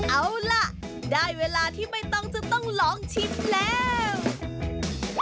เอาล่ะได้เวลาที่ไม่ต้องจะต้องลองชิมแล้ว